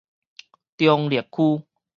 中壢區